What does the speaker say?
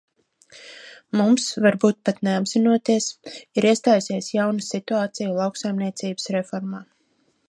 Mums, varbūt pat neapzinoties, ir iestājusies jauna situācija lauksaimniecības reformā.